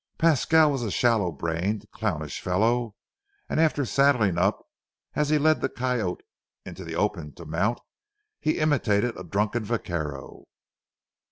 Pasquale was a shallow brained, clownish fellow, and after saddling up, as he led the coyote into the open to mount, he imitated a drunken vaquero.